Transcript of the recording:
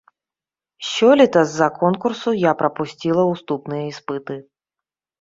Сёлета з-за конкурсу я прапусціла уступныя іспыты.